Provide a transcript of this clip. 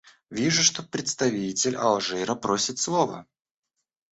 Вижу, что представитель Алжира просит слова.